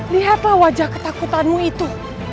lihatlah wajah ketakutanmu itu